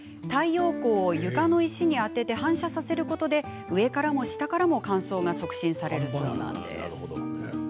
太陽光を床の石に当てて反射させることで上からも下からも乾燥が促進されるそうなんです。